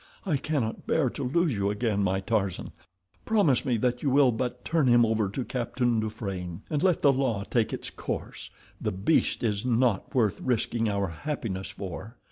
I cannot bear to lose you again, my Tarzan. Promise me that you will but turn him over to Captain Dufranne, and let the law take its course—the beast is not worth risking our happiness for."